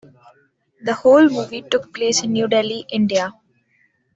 The whole movie took place in New Delhi, India.